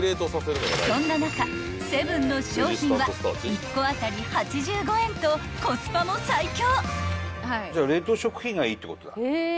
［そんな中セブンの商品は１個当たり８５円とコスパも最強］